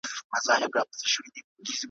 دنيکونو يادګارونه `